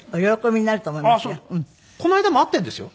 この間も会っているんですよ？